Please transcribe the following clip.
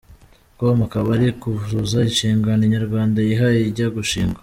com, akaba ari ukuzuza inshingano Inyarwanda yihaye ijya gushingwa.